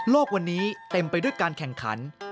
วันนี้เต็มไปด้วยการแข่งขัน